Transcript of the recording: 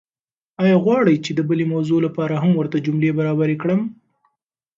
ایا غواړئ چې د بلې موضوع لپاره هم ورته جملې برابرې کړم؟